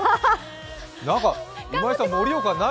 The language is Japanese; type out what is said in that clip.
今井さん、盛岡何！